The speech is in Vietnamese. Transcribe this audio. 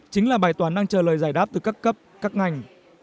chính là bài toán đang chờ lời giải đáp từ các cấp các ngành